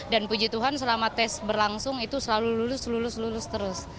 dan puji tuhan selama tes berlangsung itu selalu lulus lulus lulus terus